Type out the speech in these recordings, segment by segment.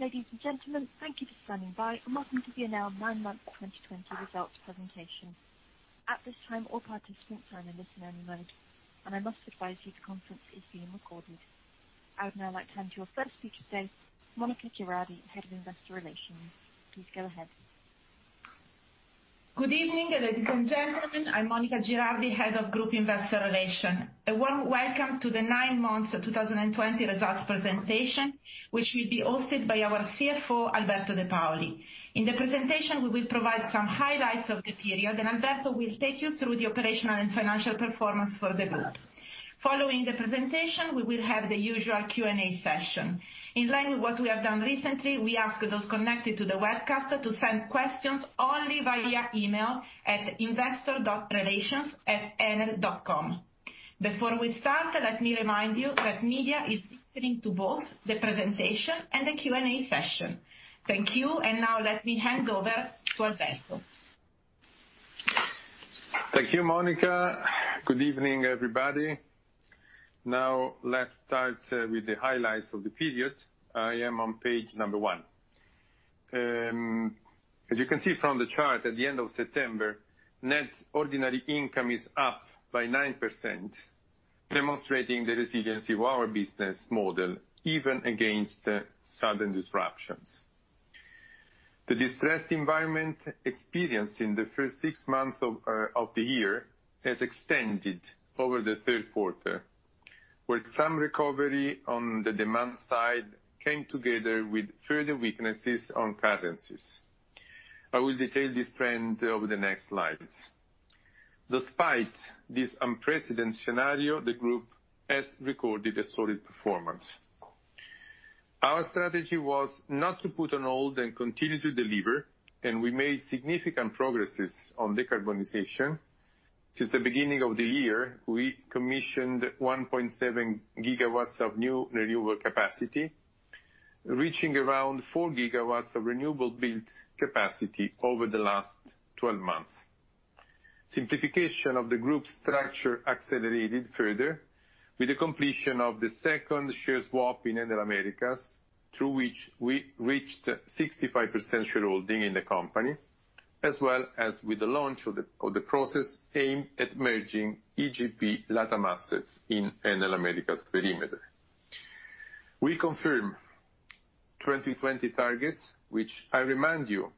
Ladies and gentlemen, thank you for standing by, and welcome to the Enel nine-month 2020 results presentation. At this time, all participants are in a listen-only mode, and I must advise you the conference is being recorded. I would now like to hand you your first speaker today, Monica Girardi, Head of Investor Relations. Please go ahead. Good evening, ladies and gentlemen. I'm Monica Girardi, Head of Group Investor Relations. A warm welcome to the nine-month 2020 results presentation, which will be hosted by our CFO, Alberto De Paoli. In the presentation, we will provide some highlights of the period, and Alberto will take you through the operational and financial performance for the group. Following the presentation, we will have the usual Q&A session. In line with what we have done recently, we ask those connected to the webcast to send questions only via email at investor.relations@enel.com. Before we start, let me remind you that media is listening to both the presentation and the Q&A session. Thank you, and now let me hand over to Alberto. Thank you, Monica. Good evening, everybody. Now, let's start with the highlights of the period. I am on page number one. As you can see from the chart, at the end of September, net ordinary income is up by 9%, demonstrating the resiliency of our business model even against sudden disruptions. The distressed environment experienced in the first six months of the year has extended over the third quarter, where some recovery on the demand side came together with further weaknesses on currencies. I will detail this trend over the next slides. Despite this unprecedented scenario, the group has recorded a solid performance. Our strategy was not to put on hold and continue to deliver, and we made significant progresses on decarbonization. Since the beginning of the year, we commissioned 1.7 GW of new renewable capacity, reaching around 4 GW of renewable-built capacity over the last 12 months. Simplification of the group structure accelerated further with the completion of the second share swap in Enel Américas, through which we reached 65% shareholding in the company, as well as with the launch of the process aimed at merging EGP LatAm assets in Enel Américas perimeter. We confirmed 2020 targets, which I remind you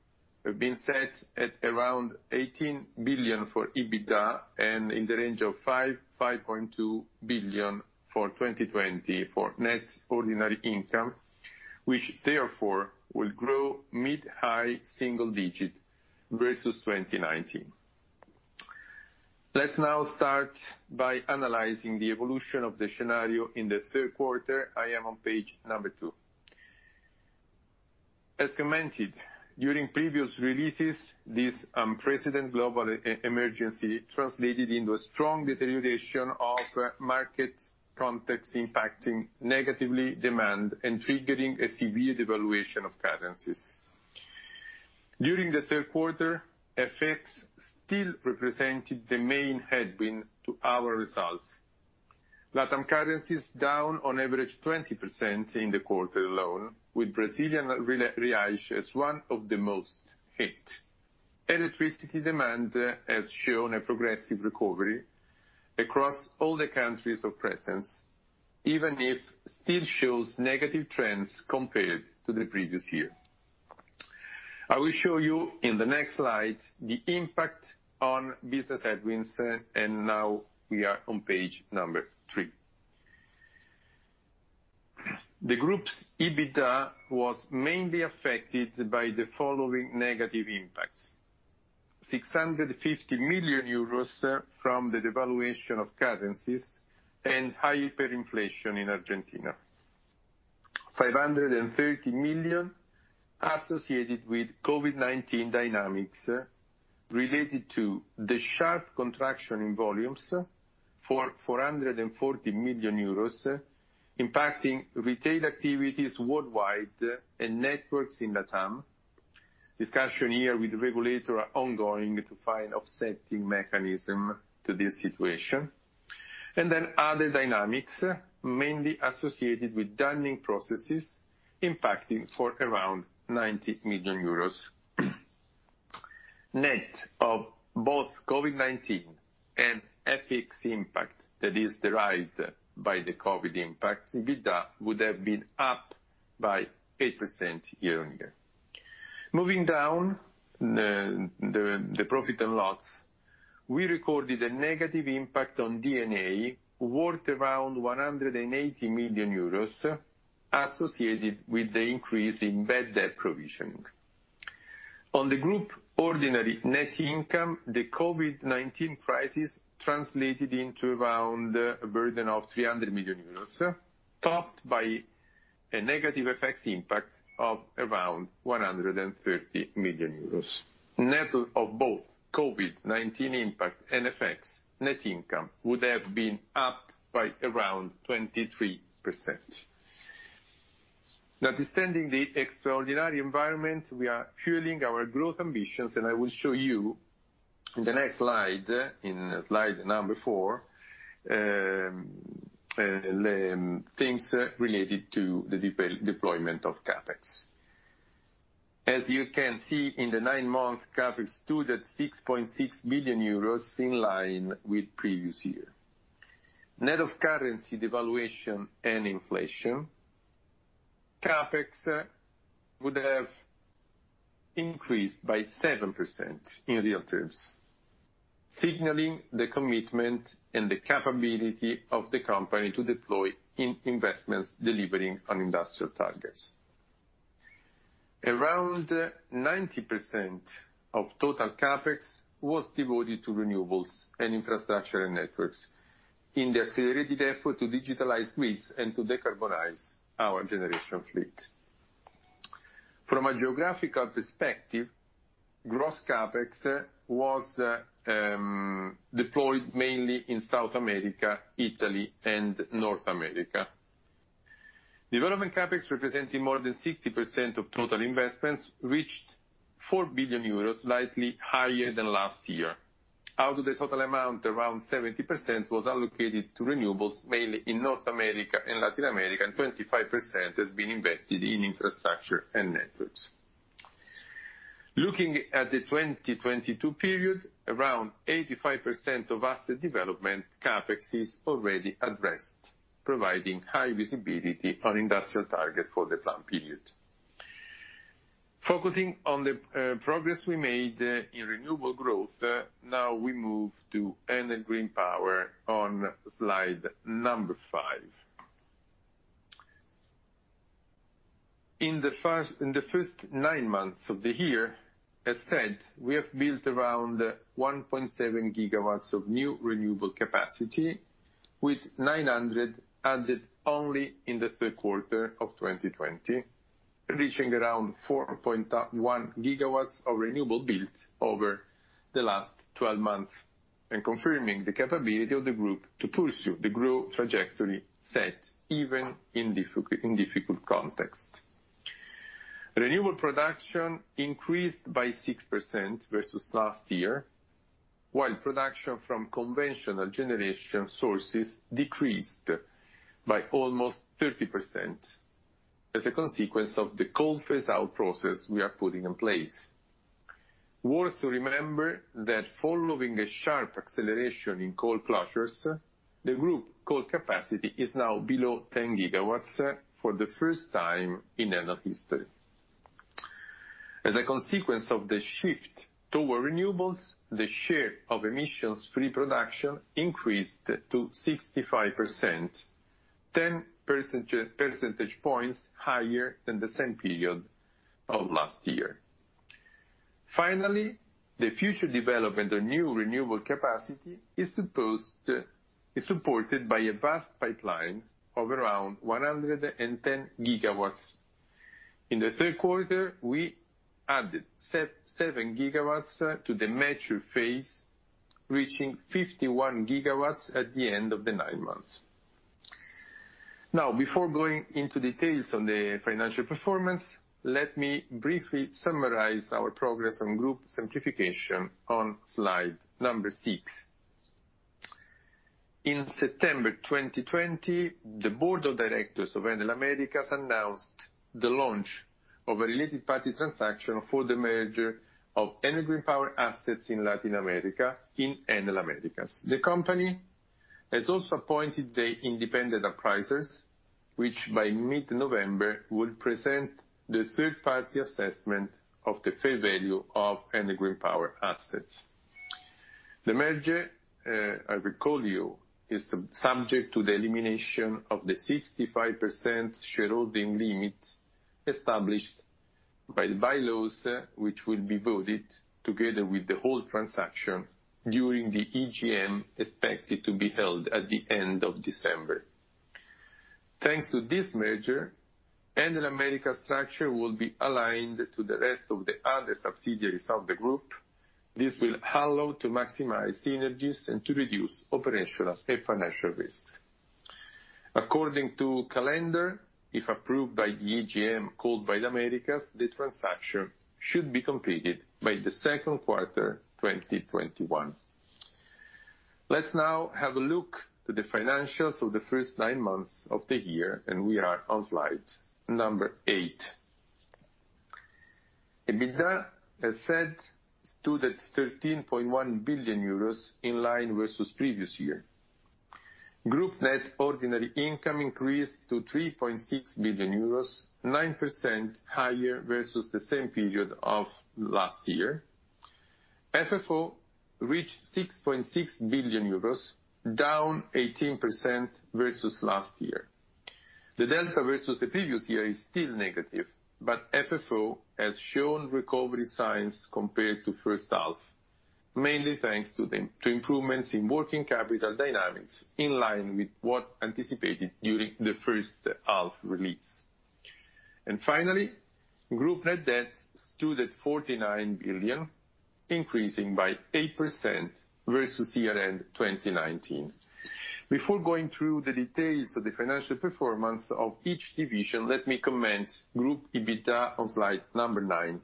have been set at around 18 billion for EBITDA and in the range of 5.2 billion for 2020 for net ordinary income, which therefore will grow mid-high single digit versus 2019. Let's now start by analyzing the evolution of the scenario in the third quarter. I am on page number two. As commented during previous releases, this unprecedented global emergency translated into a strong deterioration of market context, impacting negatively demand and triggering a severe devaluation of currencies. During the third quarter, FX still represented the main headwind to our results. LatAm currencies down on average 20% in the quarter alone, with Brazilian real as one of the most hit. Electricity demand has shown a progressive recovery across all the countries of presence, even if it still shows negative trends compared to the previous year. I will show you in the next slide the impact on business headwinds, and now we are on page number three. The group's EBITDA was mainly affected by the following negative impacts: 650 million euros from the devaluation of currencies and hyperinflation in Argentina; 530 million associated with COVID-19 dynamics related to the sharp contraction in volumes for 440 million euros, impacting retail activities worldwide and networks in LatAm. Discussion here with the regulator ongoing to find offsetting mechanism to this situation. Then other dynamics mainly associated with darning processes impacting for around 90 million euros. Net of both COVID-19 and FX impact that is derived by the COVID impacts, EBITDA would have been up by 8% year-on-year. Moving down the profit and loss, we recorded a negative impact on DNA, worth around 180 million euros, associated with the increase in bad debt provision. On the group ordinary net income, the COVID-19 crisis translated into around a burden of 300 million euros, topped by a negative FX impact of around 130 million euros. Net of both COVID-19 impact and FX, net income would have been up by around 23%. Notwithstanding the extraordinary environment, we are fueling our growth ambitions, and I will show you in the next slide, in slide number four, things related to the deployment of CapEx. As you can see in the nine-month, CapEx stood at 6.6 billion euros in line with previous year. Net of currency devaluation and inflation, CapEx would have increased by 7% in real terms, signaling the commitment and the capability of the company to deploy investments delivering on industrial targets. Around 90% of total CapEx was devoted to renewables and infrastructure and networks in the accelerated effort to digitalize grids and to decarbonize our generation fleet. From a geographical perspective, gross CapEx was deployed mainly in South America, Italy, and North America. Development CapEx representing more than 60% of total investments reached 4 billion euros, slightly higher than last year. Out of the total amount, around 70% was allocated to renewables, mainly in North America and Latin America, and 25% has been invested in infrastructure and networks. Looking at the 2022 period, around 85% of asset development CapEx is already addressed, providing high visibility on industrial targets for the planned period. Focusing on the progress we made in renewable growth, now we move to Enel Green Power on slide number five. In the first nine months of the year, as said, we have built around 1.7 GW of new renewable capacity, with 900 added only in the third quarter of 2020, reaching around 4.1 GW of renewable built over the last 12 months and confirming the capability of the group to pursue the growth trajectory set even in difficult contexts. Renewable production increased by 6% versus last year, while production from conventional generation sources decreased by almost 30% as a consequence of the coal phase-out process we are putting in place. Worth to remember that following a sharp acceleration in coal clusters, the group coal capacity is now below 10 GW for the first time in Enel history. As a consequence of the shift toward renewables, the share of emissions-free production increased to 65%, 10 percentage points higher than the same period of last year. Finally, the future development of new renewable capacity is supported by a vast pipeline of around 110 GW. In the third quarter, we added 7 GW to the mature phase, reaching 51 GW at the end of the nine months. Now, before going into details on the financial performance, let me briefly summarize our progress on group simplification on slide number six. In September 2020, the Board of Directors of Enel Américas announced the launch of a related party transaction for the merger of Enel Green Power assets in Latin America in Enel Américas. The company has also appointed the independent appraisers, which by mid-November will present the third-party assessment of the fair value of Enel Green Power assets. The merger, I recall you, is subject to the elimination of the 65% shareholding limit established by the bylaws, which will be voted together with the whole transaction during the EGM expected to be held at the end of December. Thanks to this merger, Enel Américas' structure will be aligned to the rest of the other subsidiaries of the group. This will allow to maximize synergies and to reduce operational and financial risks. According to calendar, if approved by the EGM called by the Americas, the transaction should be completed by the second quarter 2021. Let's now have a look at the financials of the first nine months of the year, and we are on slide number eight. EBITDA, as said, stood at 13.1 billion euros in line versus previous year. Group net ordinary income increased to 3.6 billion euros, 9% higher versus the same period of last year. FFO reached 6.6 billion euros, down 18% versus last year. The delta versus the previous year is still negative, but FFO has shown recovery signs compared to first half, mainly thanks to improvements in working capital dynamics in line with what anticipated during the first half release. Finally, group net debt stood at 49 billion, increasing by 8% versus year-end 2019. Before going through the details of the financial performance of each division, let me comment group EBITDA on slide number nine.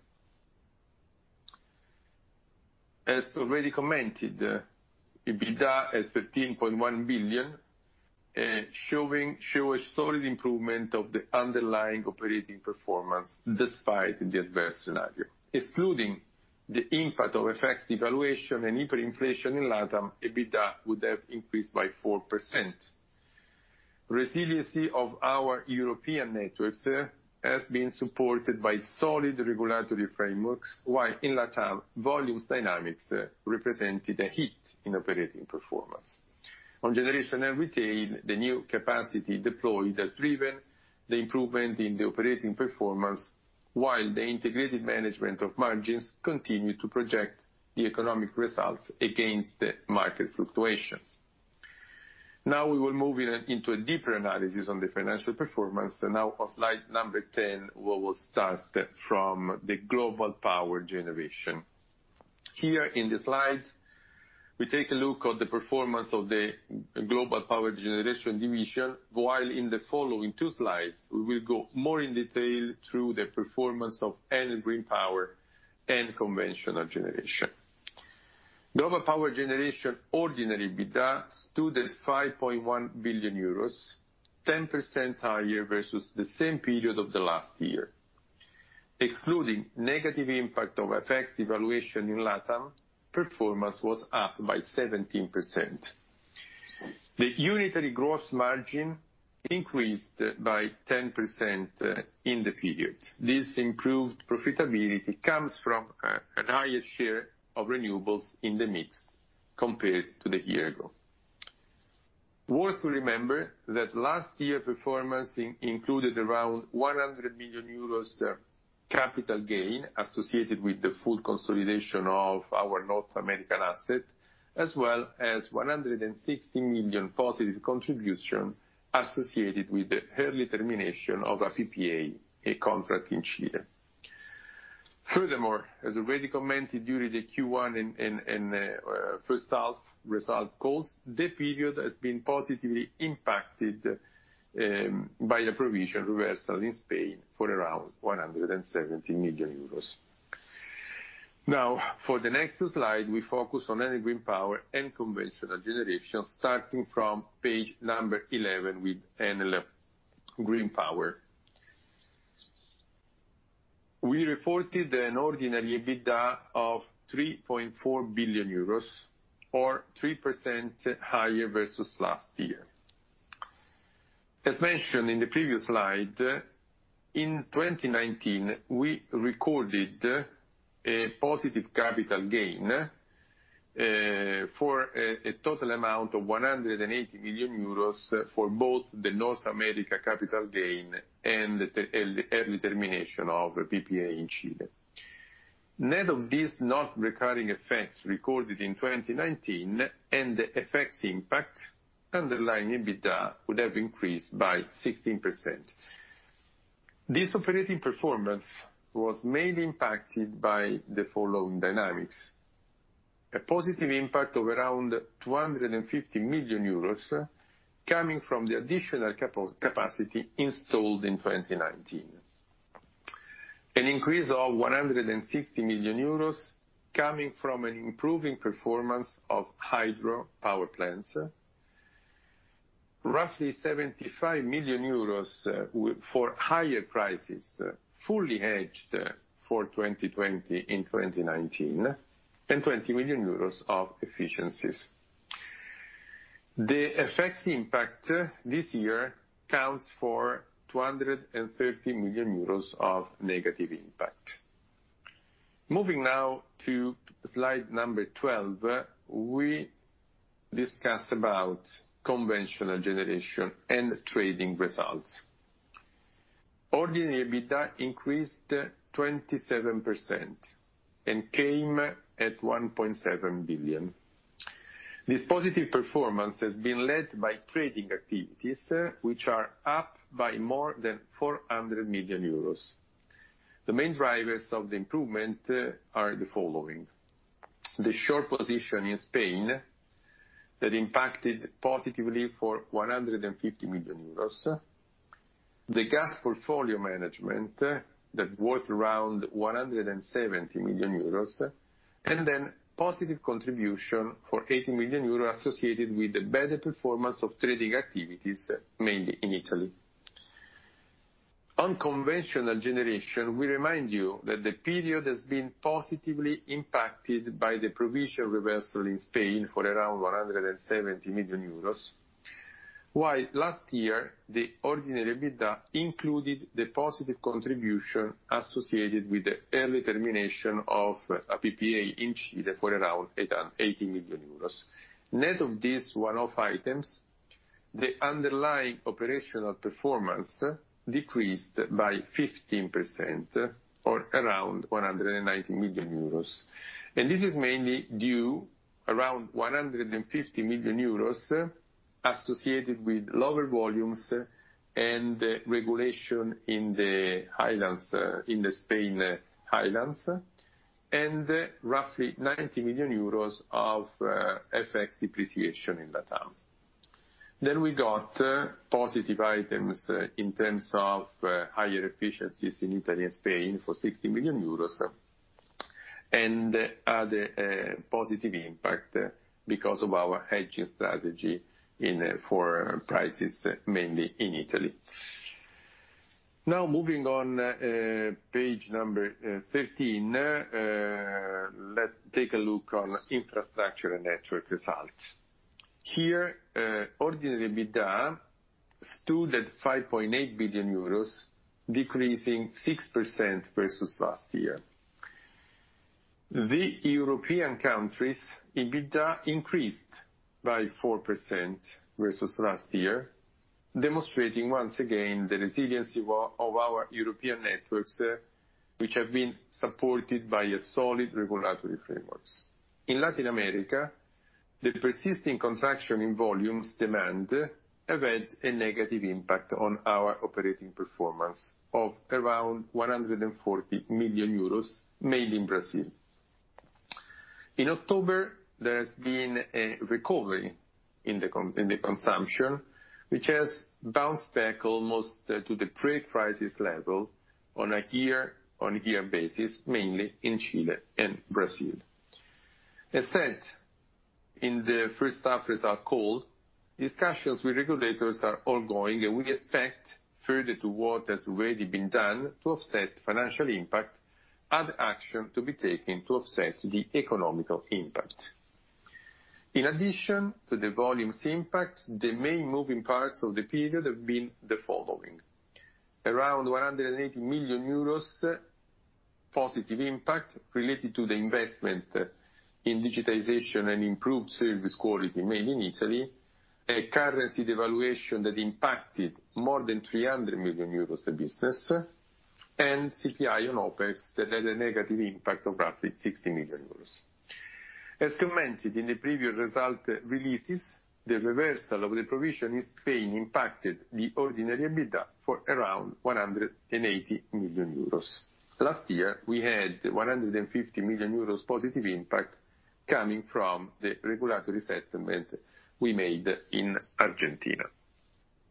As already commented, EBITDA at 13.1 billion shows a solid improvement of the underlying operating performance despite the adverse scenario. Excluding the impact of FX devaluation and hyperinflation in LatAm, EBITDA would have increased by 4%. Resiliency of our European networks has been supported by solid regulatory frameworks, while in LatAm, volumes dynamics represented a hit in operating performance. On generation and retail, the new capacity deployed has driven the improvement in the operating performance, while the integrated management of margins continued to project the economic results against the market fluctuations. Now we will move into a deeper analysis on the financial performance. Now, on slide number 10, we will start from the global power generation. Here in the slide, we take a look at the performance of the global power generation division, while in the following two slides, we will go more in detail through the performance of Enel Green Power and conventional generation. Global power generation ordinary EBITDA stood at 5.1 billion euros, 10% higher versus the same period of the last year. Excluding negative impact of FX devaluation in LatAm, performance was up by 17%. The unitary gross margin increased by 10% in the period. This improved profitability comes from a higher share of renewables in the mix compared to the year ago. Worth to remember that last year's performance included around 100 million euros capital gain associated with the full consolidation of our North American asset, as well as 160 million positive contribution associated with the early termination of a PPA, a contract in Chile. Furthermore, as already commented during the Q1 and first half result calls, the period has been positively impacted by the provision reversal in Spain for around 170 million euros. Now, for the next two slides, we focus on Enel Green Power and conventional generation, starting from page number 11 with Enel Green Power. We reported an ordinary EBITDA of 3.4 billion euros, or 3% higher versus last year. As mentioned in the previous slide, in 2019, we recorded a positive capital gain for a total amount of 180 million euros for both the North America capital gain and the early termination of PPA in Chile. Net of these non-recurring effects recorded in 2019 and the FX impact, underlying EBITDA would have increased by 16%. This operating performance was mainly impacted by the following dynamics: a positive impact of around 250 million euros coming from the additional capacity installed in 2019, an increase of 160 million euros coming from an improving performance of hydro power plants, roughly 75 million euros for higher prices fully hedged for 2020 in 2019, and 20 million euros of efficiencies. The FX impact this year counts for 230 million euros of negative impact. Moving now to slide number 12, we discuss about conventional generation and trading results. Ordinary EBITDA increased 27% and came at 1.7 billion. This positive performance has been led by trading activities, which are up by more than 400 million euros. The main drivers of the improvement are the following: the short position in Spain that impacted positively for 150 million euros, the gas portfolio management that worth around 170 million euros, and then positive contribution for 80 million euros associated with the better performance of trading activities, mainly in Italy. On conventional generation, we remind you that the period has been positively impacted by the provision reversal in Spain for around 170 million euros, while last year the ordinary EBITDA included the positive contribution associated with the early termination of a PPA in Chile for around 80 million euros. Net of these one-off items, the underlying operational performance decreased by 15%, or around 190 million euros. This is mainly due to around 150 million euros associated with lower volumes and regulation in the highlands in the Spain highlands, and roughly 90 million euros of FX depreciation in Latin America. We got positive items in terms of higher efficiencies in Italy and Spain for 60 million euros and other positive impact because of our hedging strategy for prices mainly in Italy. Now, moving on page number 13, let's take a look on infrastructure and network results. Here, ordinary EBITDA stood at 5.8 billion euros, decreasing 6% versus last year. The European countries' EBITDA increased by 4% versus last year, demonstrating once again the resiliency of our European networks, which have been supported by solid regulatory frameworks. In Latin America, the persisting contraction in volumes demanded a negative impact on our operating performance of around 140 million euros, mainly in Brazil. In October, there has been a recovery in the consumption, which has bounced back almost to the pre-crisis level on a year-on-year basis, mainly in Chile and Brazil. As said in the first half result call, discussions with regulators are ongoing, and we expect further to what has already been done to offset financial impact, other action to be taken to offset the economical impact. In addition to the volumes impact, the main moving parts of the period have been the following: around 180 million euros positive impact related to the investment in digitization and improved service quality, mainly in Italy; a currency devaluation that impacted more than 300 million euros of business; and CPI on OpEx that had a negative impact of roughly 60 million euros. As commented in the previous result releases, the reversal of the provision in Spain impacted the ordinary EBITDA for around 180 million euros. Last year, we had 150 million euros positive impact coming from the regulatory settlement we made in Argentina.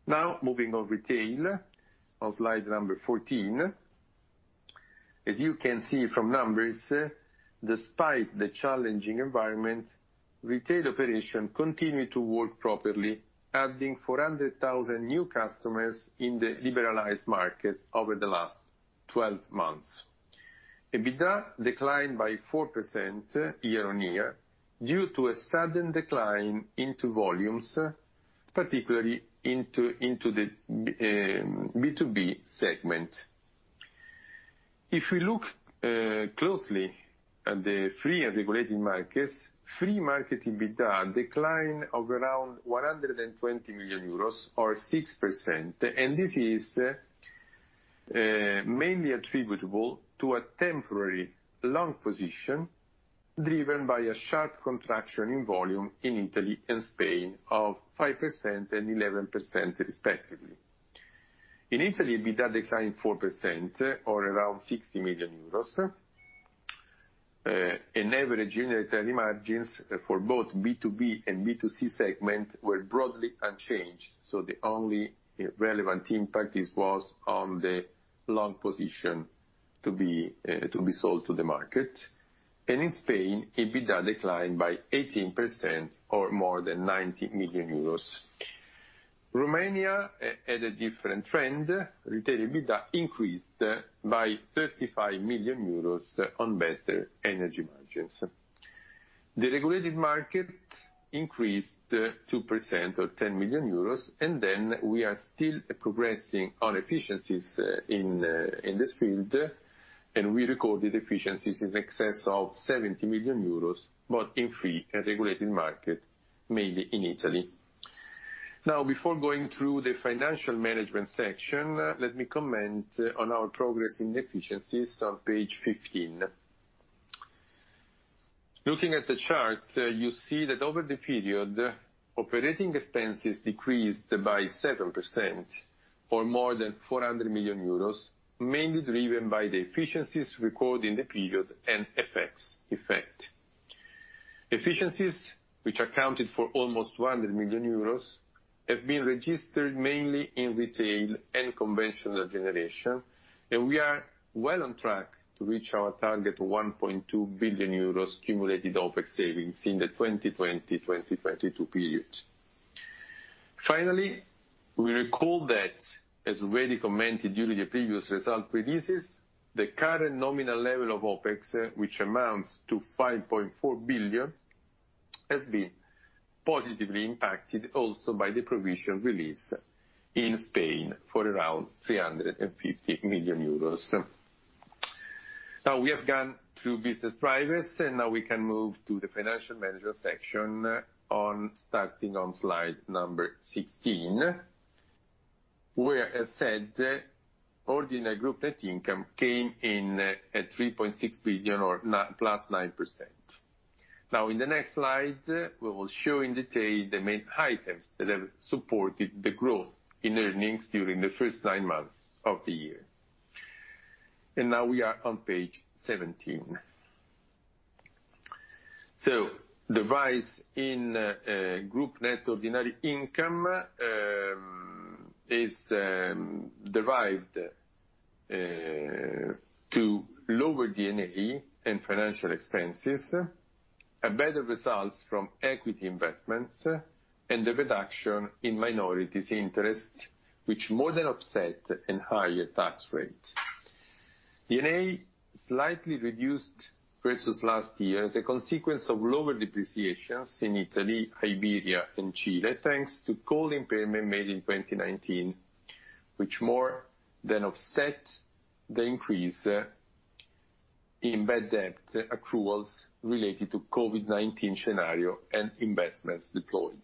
Now, moving on retail on slide number 14. As you can see from numbers, despite the challenging environment, retail operations continue to work properly, adding 400,000 new customers in the liberalized market over the last 12 months. EBITDA declined by 4% year-on-year due to a sudden decline into volumes, particularly into the B2B segment. If we look closely at the free and regulated markets, free market EBITDA declined of around 120 million euros, or 6%, and this is mainly attributable to a temporary long position driven by a sharp contraction in volume in Italy and Spain of 5% and 11%, respectively. In Italy, EBITDA declined 4%, or around EUR 60 million. Average unitary margins for both B2B and B2C segments were broadly unchanged, so the only relevant impact was on the long position to be sold to the market. In Spain, EBITDA declined by 18% or more than 90 million euros. Romania had a different trend. Retail EBITDA increased by 35 million euros on better energy margins. The regulated market increased 2% or 10 million euros, and we are still progressing on efficiencies in this field, and we recorded efficiencies in excess of 70 million euros, both in free and regulated market, mainly in Italy. Now, before going through the financial management section, let me comment on our progress in efficiencies on page 15. Looking at the chart, you see that over the period, operating expenses decreased by 7% or more than 400 million euros, mainly driven by the efficiencies recorded in the period and FX effect. Efficiencies, which accounted for almost 100 million euros, have been registered mainly in retail and conventional generation, and we are well on track to reach our target of 1.2 billion euros cumulated OpEx savings in the 2020-2022 period. Finally, we recall that, as already commented during the previous result releases, the current nominal level of OpEx, which amounts to 5.4 billion, has been positively impacted also by the provision release in Spain for around 350 million euros. Now, we have gone through business drivers, and now we can move to the financial management section starting on slide number 16, where, as said, ordinary group net income came in at 3.6 billion or +9%. In the next slide, we will show in detail the main items that have supported the growth in earnings during the first nine months of the year. Now we are on page 17. The rise in group net ordinary income is derived to lower DNA and financial expenses, better results from equity investments, and the reduction in minorities interest, which more than offset and higher tax rates. DNA slightly reduced versus last year as a consequence of lower depreciations in Italy, Iberia, and Chile, thanks to coal impairment made in 2019, which more than offset the increase in bad debt accruals related to COVID-19 scenario and investments deployed.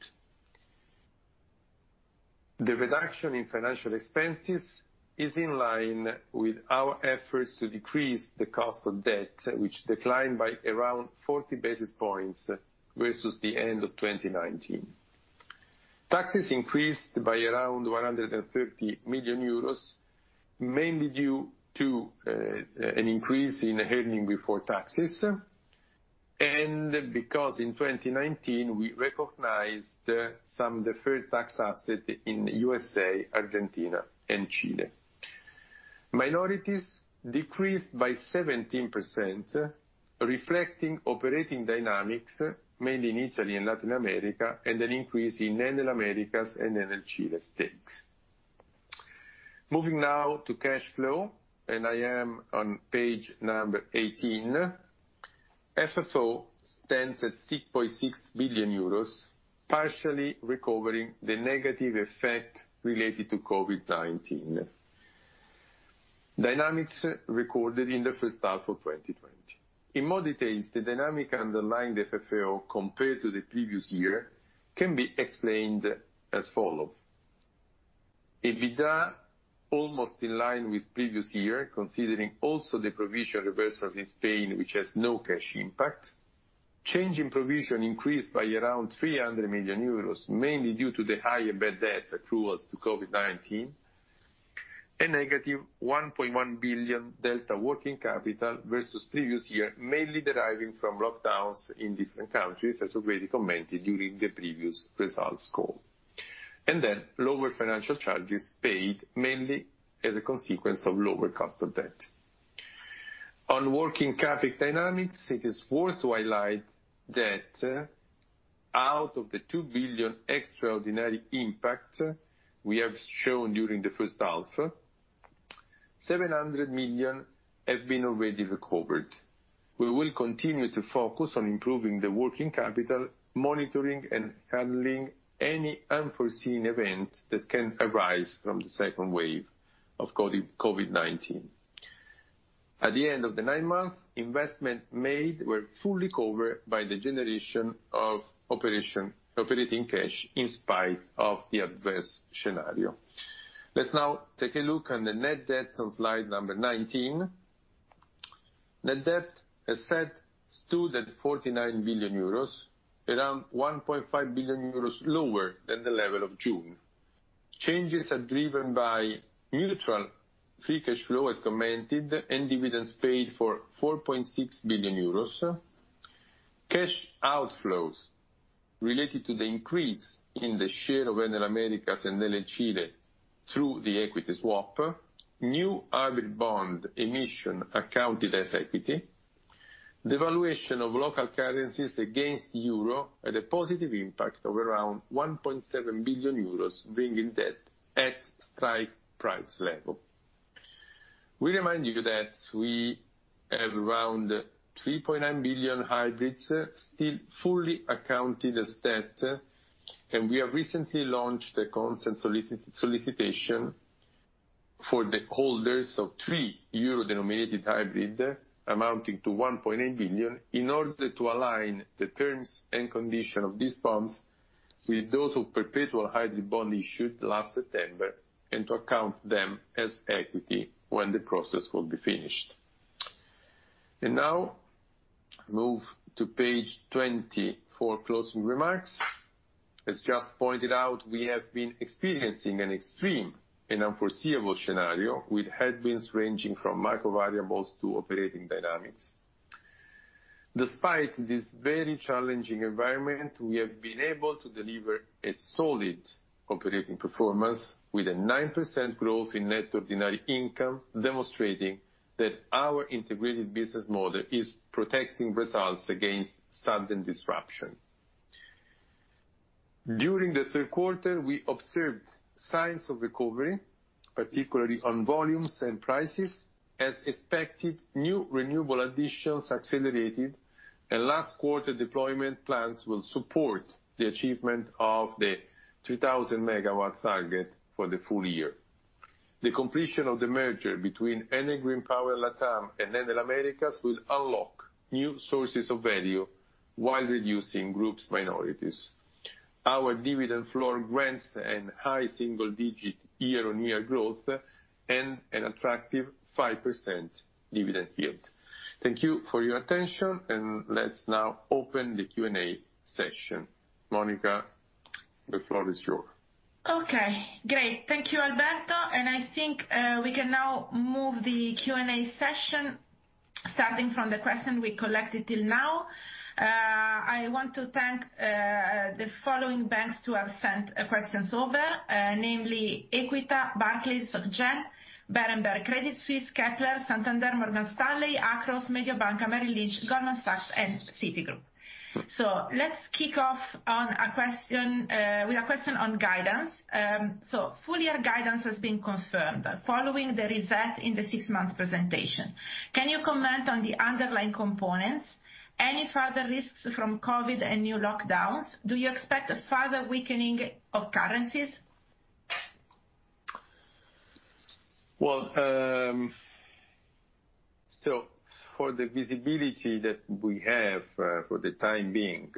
The reduction in financial expenses is in line with our efforts to decrease the cost of debt, which declined by around 40 basis points versus the end of 2019. Taxes increased by around 130 million euros, mainly due to an increase in earning before taxes, and because in 2019, we recognized some deferred tax assets in the U.S., Argentina, and Chile. Minorities decreased by 17%, reflecting operating dynamics, mainly in Italy and Latin America, and an increase in Enel Américas and Enel Chile stakes. Moving now to cash flow, and I am on page number 18. FFO stands at 6.6 billion euros, partially recovering the negative effect related to COVID-19. Dynamics recorded in the first half of 2020. In more detail, the dynamic underlying the FFO compared to the previous year can be explained as follows. EBITDA almost in line with previous year, considering also the provision reversal in Spain, which has no cash impact. Change in provision increased by around 300 million euros, mainly due to the higher bad debt accruals to COVID-19, a negative 1.1 billion delta working capital versus previous year, mainly deriving from lockdowns in different countries, as already commented during the previous results call. Lower financial charges paid, mainly as a consequence of lower cost of debt. On working CapEx dynamics, it is worth to highlight that out of the 2 billion extraordinary impact we have shown during the first half, 700 million have been already recovered. We will continue to focus on improving the working capital, monitoring and handling any unforeseen event that can arise from the second wave of COVID-19. At the end of the nine months, investment made were fully covered by the generation of operating cash in spite of the adverse scenario. Let's now take a look on the net debt on slide number 19. Net debt, as said, stood at 49 billion euros, around 1.5 billion euros lower than the level of June. Changes are driven by neutral free cash flow, as commented, and dividends paid for 4.6 billion euros. Cash outflows related to the increase in the share of Enel Américas and Enel Chile through the equity swap, new hybrid bond emission accounted as equity. The valuation of local currencies against the euro had a positive impact of around 1.7 billion euros, bringing debt at strike price level. We remind you that we have around 3.9 billion hybrids still fully accounted as debt, and we have recently launched a consent solicitation for the holders of three euro-denominated hybrids amounting to 1.8 billion in order to align the terms and conditions of these bonds with those of perpetual hybrid bonds issued last September and to account them as equity when the process will be finished. Now, move to page 20 for closing remarks. As just pointed out, we have been experiencing an extreme and unforeseeable scenario with headwinds ranging from micro variables to operating dynamics. Despite this very challenging environment, we have been able to deliver a solid operating performance with a 9% growth in net ordinary income, demonstrating that our integrated business model is protecting results against sudden disruption. During the third quarter, we observed signs of recovery, particularly on volumes and prices, as expected, new renewable additions accelerated, and last quarter deployment plans will support the achievement of the 3,000 MW target for the full year. The completion of the merger between Enel Green Power LatAm and Enel Américas will unlock new sources of value while reducing group's minorities. Our dividend floor grants a high single-digit year-on-year growth and an attractive 5% dividend yield. Thank you for your attention, and let's now open the Q&A session. Monica, the floor is yours. Okay, great. Thank you, Alberto, and I think we can now move to the Q&A session starting from the questions we collected till now. I want to thank the following banks for having sent questions over, namely Equitas, Barclays, SocGén, Berenberg, Credit Suisse, Kepler, Santander, Morgan Stanley, Akros, Mediobanca, Merrill Lynch, Goldman Sachs, and Citigroup. Let's kick off with a question on guidance. Full year guidance has been confirmed following the reset in the six-month presentation. Can you comment on the underlying components? Any further risks from COVID and new lockdowns? Do you expect further weakening of currencies? For the visibility that we have for the time being,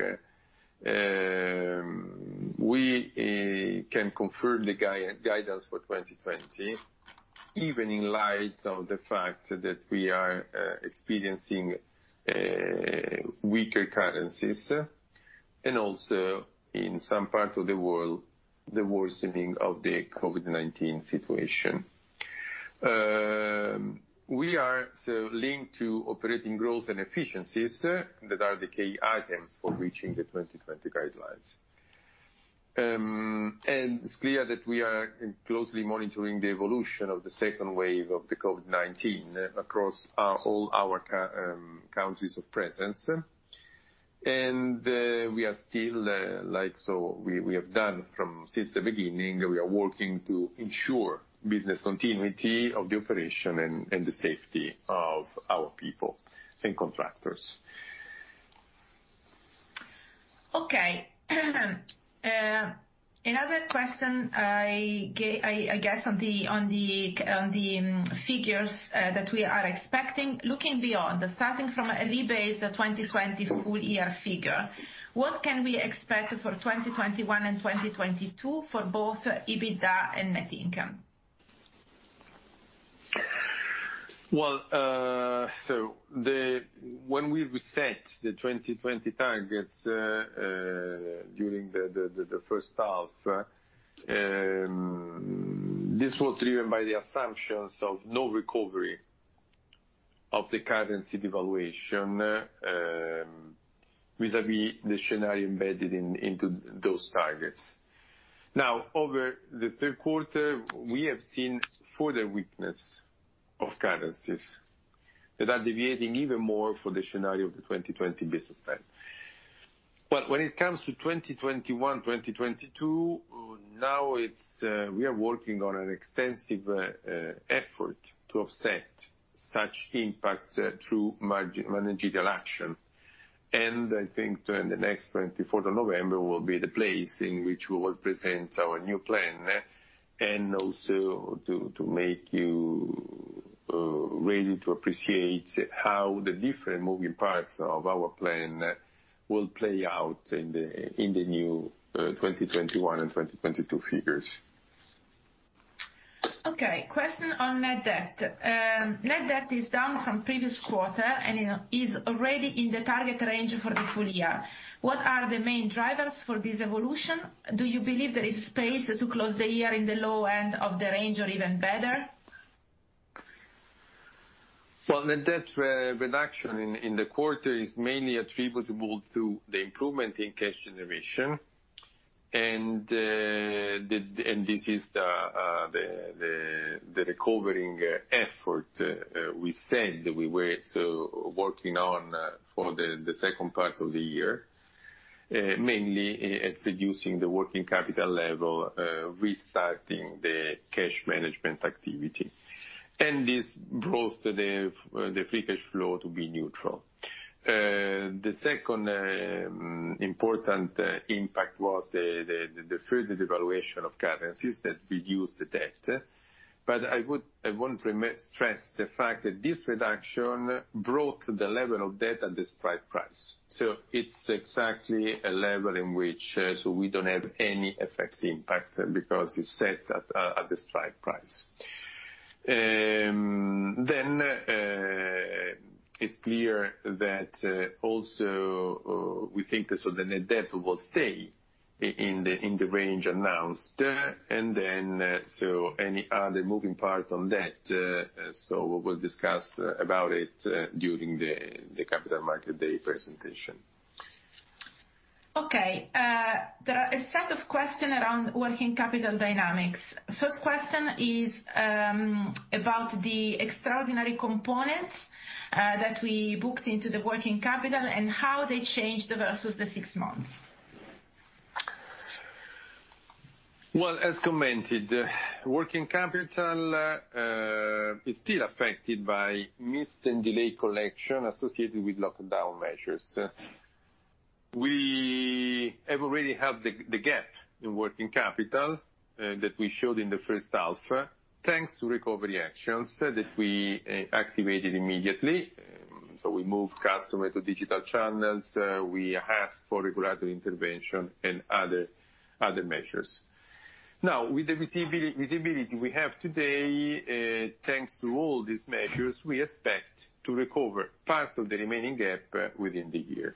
we can confirm the guidance for 2020, even in light of the fact that we are experiencing weaker currencies and also in some parts of the world, the worsening of the COVID-19 situation. We are linked to operating growth and efficiencies that are the key items for reaching the 2020 guidelines. It is clear that we are closely monitoring the evolution of the second wave of the COVID-19 across all our countries of presence. We are still, like we have done since the beginning, working to ensure business continuity of the operation and the safety of our people and contractors. Okay. Another question, I guess, on the figures that we are expecting, looking beyond, starting from [eBay's] 2020 full year figure, what can we expect for 2021 and 2022 for both EBITDA and net income? When we reset the 2020 targets during the first half, this was driven by the assumptions of no recovery of the currency devaluation vis-à-vis the scenario embedded into those targets. Now, over the third quarter, we have seen further weakness of currencies that are deviating even more from the scenario of the 2020 business plan. When it comes to 2021-2022, we are working on an extensive effort to offset such impact through managerial action. I think the next 24th of November will be the place in which we will present our new plan and also to make you ready to appreciate how the different moving parts of our plan will play out in the new 2021 and 2022 figures. Okay. Question on net debt. Net debt is down from previous quarter and is already in the target range for the full year. What are the main drivers for this evolution? Do you believe there is space to close the year in the low end of the range or even better? Net debt reduction in the quarter is mainly attributable to the improvement in cash generation. This is the recovering effort we said we were working on for the second part of the year, mainly at reducing the working capital level, restarting the cash management activity. This brought the free cash flow to be neutral. The second important impact was the further devaluation of currencies that reduced the debt. I want to stress the fact that this reduction brought the level of debt at the strike price. It is exactly a level in which we do not have any FX impact because it is set at the strike price. It is clear that also we think the net debt will stay in the range announced. Any other moving part on debt, we will discuss about it during the capital market day presentation. Okay. There are a set of questions around working capital dynamics. First question is about the extraordinary components that we booked into the working capital and how they changed versus the six months. As commented, working capital is still affected by missed and delayed collection associated with lockdown measures. We have already had the gap in working capital that we showed in the first half, thanks to recovery actions that we activated immediately. We moved customers to digital channels. We asked for regulatory intervention and other measures. Now, with the visibility we have today, thanks to all these measures, we expect to recover part of the remaining gap within the year.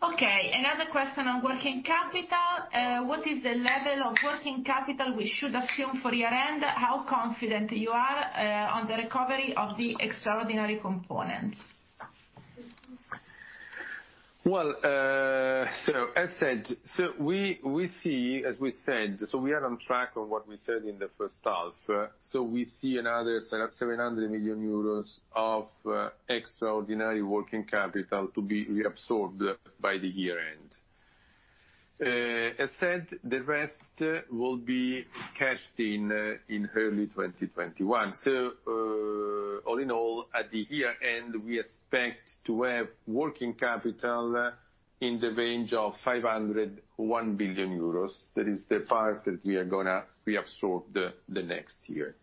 Another question on working capital. What is the level of working capital we should assume for year-end? How confident you are on the recovery of the extraordinary components? As we said, we are on track on what we said in the first half. We see another 700 million euros of extraordinary working capital to be reabsorbed by the year-end. As said, the rest will be cashed in early 2021. All in all, at the year-end, we expect to have working capital in the range of 500 million-1 billion euros. That is the part that we are going to reabsorb next year.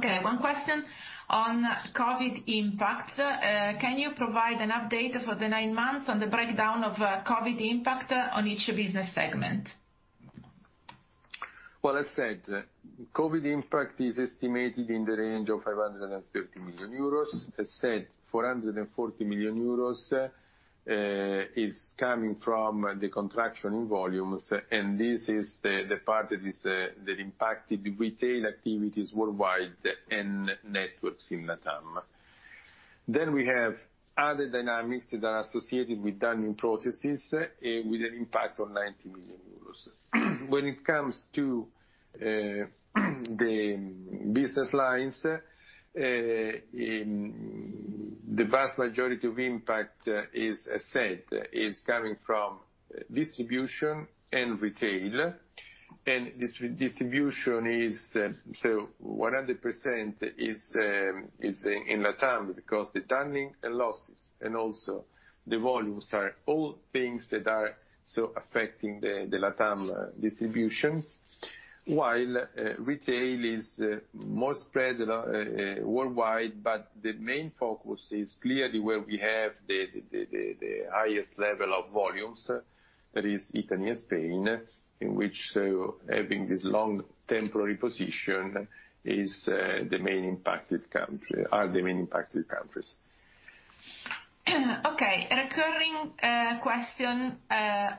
One question on COVID impact. Can you provide an update for the nine months on the breakdown of COVID impact on each business segment? As said, COVID impact is estimated in the range of 530 million euros. As said, 440 million euros is coming from the contraction in volumes, and this is the part that impacted retail activities worldwide and networks in LatAm. We have other dynamics that are associated with dumping processes with an impact of 90 million euros. When it comes to the business lines, the vast majority of impact, as said, is coming from distribution and retail. Distribution is 100% in LatAm because the dumping and losses and also the volumes are all things that are affecting the LatAm distributions. Retail is more spread worldwide, but the main focus is clearly where we have the highest level of volumes, that is Italy and Spain, in which having this long temporary position is the main impacted country, are the main impacted countries. A recurring question,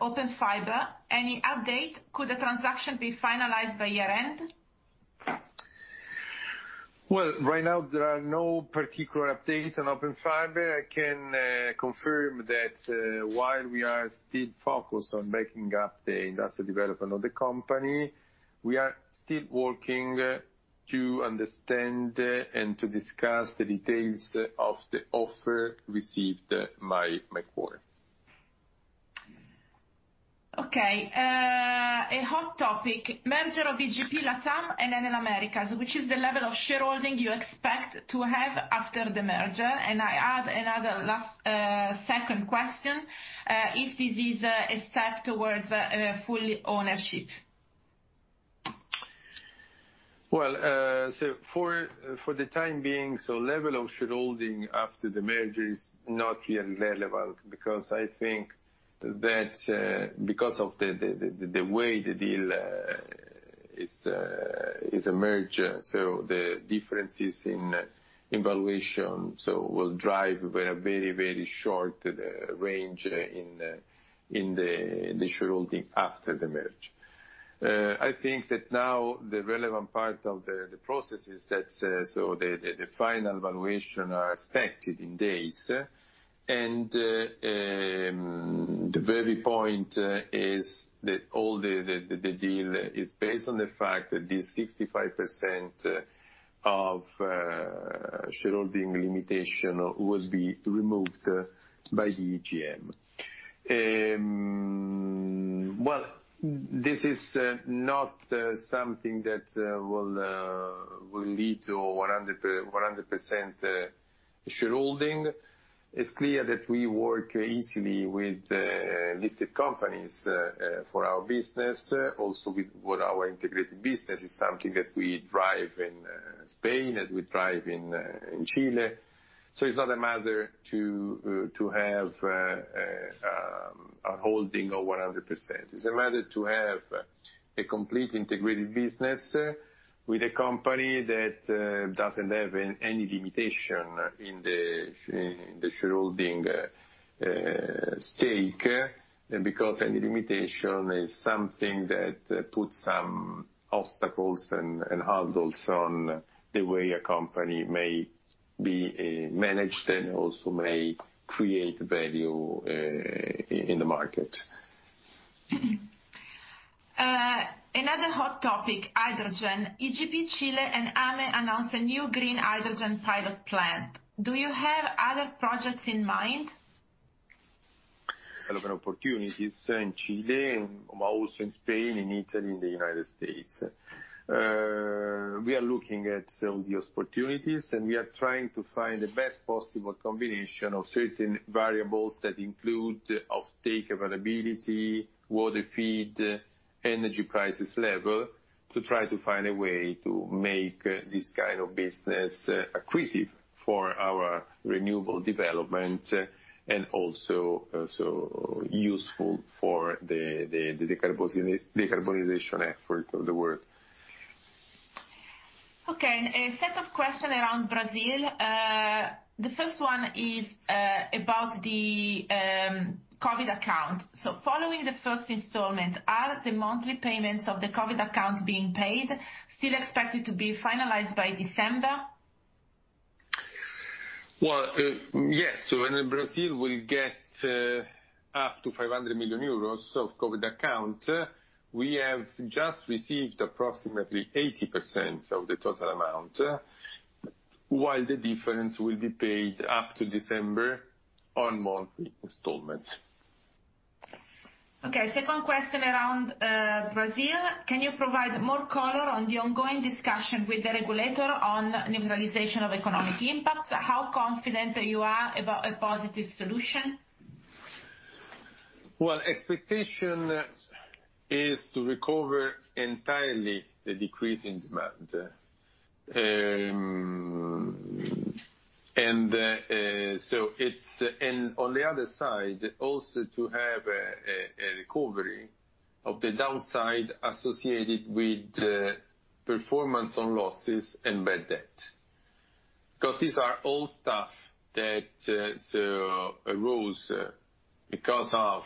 Open Fiber, any update? Could the transaction be finalized by year-end? Right now, there are no particular updates on Open Fiber. I can confirm that while we are still focused on making up the industrial development of the company, we are still working to understand and to discuss the details of the offer received by my quarter. Okay. A hot topic, merger of BGP LatAm and Enel Américas, which is the level of shareholding you expect to have after the merger? I add another last second question, if this is a step towards full ownership. For the time being, the level of shareholding after the merger is not really relevant because I think that because of the way the deal is a merger, the differences in valuation will drive a very, very short range in the shareholding after the merge. I think that now the relevant part of the process is that the final valuation are expected in days. The very point is that all the deal is based on the fact that this 65% of shareholding limitation will be removed by the EGM. This is not something that will lead to 100% shareholding. It is clear that we work easily with listed companies for our business, also with our integrated business. It is something that we drive in Spain, that we drive in Chile. It is not a matter to have a holding of 100%. It is a matter to have a complete integrated business with a company that does not have any limitation in the shareholding stake because any limitation is something that puts some obstacles and hurdles on the way a company may be managed and also may create value in the market. Another hot topic, hydrogen. EGP Chile and AME announced a new green hydrogen pilot plant. Do you have other projects in mind? Development opportunities in Chile and also in Spain, in Italy, in the United States. We are looking at all the opportunities, and we are trying to find the best possible combination of certain variables that include off-take availability, water feed, energy prices level to try to find a way to make this kind of business accretive for our renewable development and also useful for the decarbonization effort of the world. Okay. A set of questions around Brazil. The first one is about the COVID account. Following the first installment, are the monthly payments of the COVID account being paid still expected to be finalized by December? Yes. When Brazil will get up to 500 million euros of COVID account, we have just received approximately 80% of the total amount, while the difference will be paid up to December on monthly installments. Okay. Second question around Brazil. Can you provide more color on the ongoing discussion with the regulator on neutralization of economic impacts? How confident you are about a positive solution? Expectation is to recover entirely the decrease in demand. It is on the other side also to have a recovery of the downside associated with performance on losses and bad debt. Because these are all stuff that arose because of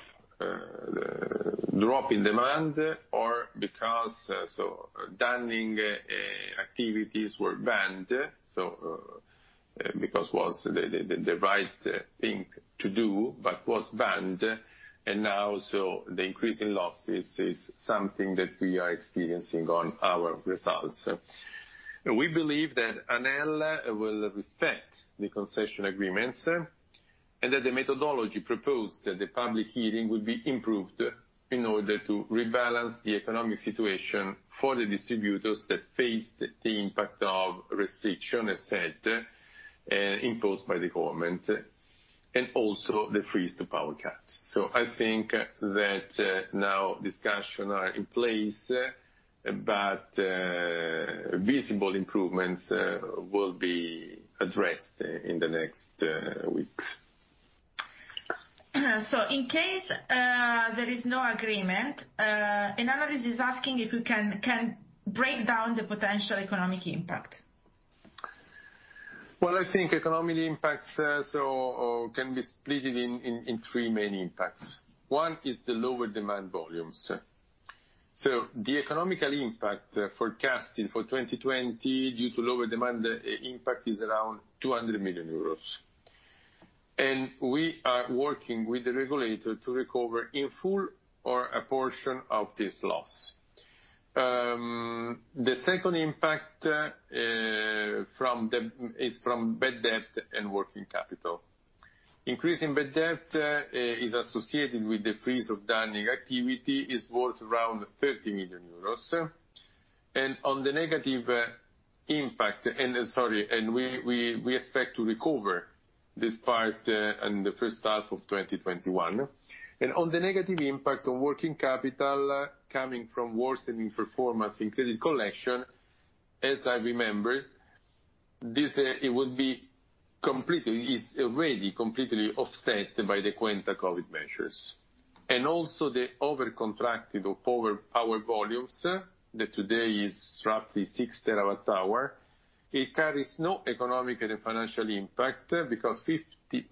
drop in demand or because dumping activities were banned. Because it was the right thing to do, but was banned. Now the increase in losses is something that we are experiencing on our results. We believe that Enel will respect the concession agreements and that the methodology proposed at the public hearing will be improved in order to rebalance the economic situation for the distributors that faced the impact of restriction as said and imposed by the government, and also the freeze to power cut. I think that now discussions are in place, but visible improvements will be addressed in the next weeks. In case there is no agreement, an analyst is asking if you can break down the potential economic impact. I think economic impacts can be split in three main impacts. One is the lower demand volumes. The economic impact forecasted for 2020 due to lower demand impact is around 200 million euros. We are working with the regulator to recover in full or a portion of this loss. The second impact is from bad debt and working capital. Increasing bad debt is associated with the freeze of dumping activity, is worth around EUR 30 million. We expect to recover this part in the first half of 2021. The negative impact on working capital coming from worsening performance in credit collection, as I remember, is already completely offset by the Quinta COVID measures. Also, the overcontracted power volumes that today is roughly 6 TWh, it carries no economic and financial impact because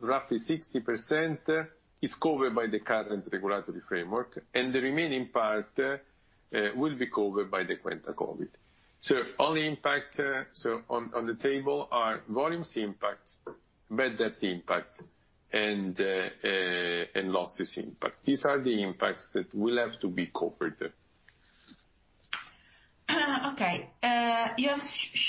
roughly 60% is covered by the current regulatory framework, and the remaining part will be covered by the Quinta COVID. The only impact on the table are volumes impact, bad debt impact, and losses impact. These are the impacts that will have to be covered. Okay. You have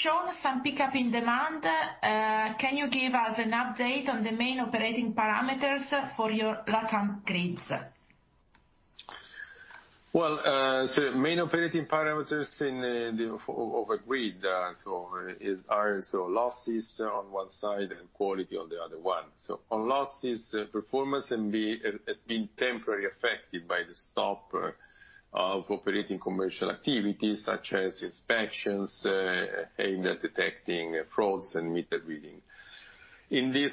shown some pickup in demand. Can you give us an update on the main operating parameters for your LatAm grids? The main operating parameters of a grid are losses on one side and quality on the other one. On losses, performance has been temporarily affected by the stop of operating commercial activities such as inspections, aimed at detecting frauds and meter reading. In this